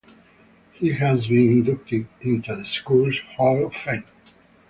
He has been inducted into the school's Hall of Fame.